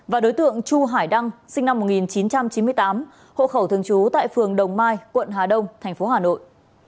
và đối tượng chu hải đăng sinh năm một nghìn chín trăm chín mươi tám hộ khẩu thường trú tại phường đồng mai quận hà đông tp hà nội